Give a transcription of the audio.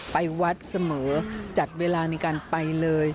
ไปวัดเสมอจัดเวลาในการไปเลย